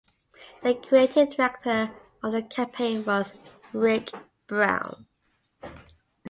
The creative director of the campaign was Rick Brown.